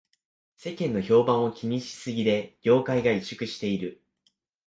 世間の評判を気にしすぎで業界が萎縮している